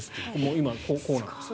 今、こうなんですね。